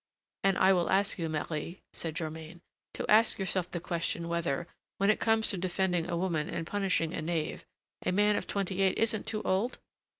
"And I will ask you, Marie," said Germain, "to ask yourself the question, whether, when it comes to defending a woman and punishing a knave, a man of twenty eight isn't too old?